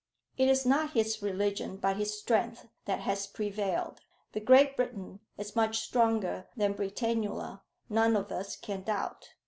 It is not his religion but his strength that has prevailed. That Great Britain is much stronger than Britannula none of us can doubt.